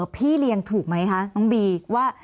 พี่เลี้ยงถูกไหมคะน้องบีว่า